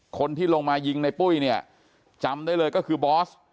คนที่ลงมายิงในปุ้ยเนี่ยจำได้เลยก็คือบอส